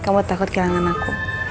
kamu takut kehilangan aku